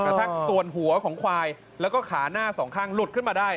ทั้งส่วนหัวของควายแล้วก็ขาหน้าสองข้างหลุดขึ้นมาได้